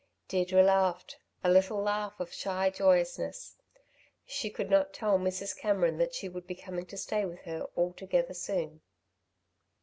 Deirdre laughed, a little laugh of shy joyousness. She could not tell Mrs. Cameron that she would be coming to stay with her altogether soon.